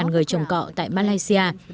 năm trăm linh người trồng cọ tại malaysia